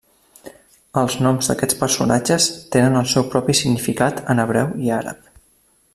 Els noms d'aquests personatges tenen el seu propi significat en hebreu i àrab.